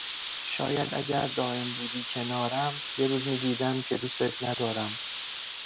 شاید اگر دائم بودی کنارم یه روز میدیدم که دوست ندارم